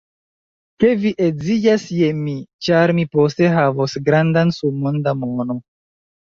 Ke vi edziĝas je mi, ĉar mi poste havos grandan sumon da mono.